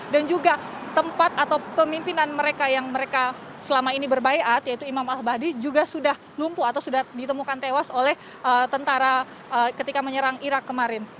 dan juga tempat atau pemimpinan mereka yang mereka selama ini berbaikat yaitu imam al bahdi juga sudah lumpuh atau sudah ditemukan tewas oleh tentara ketika menyerang irak kemarin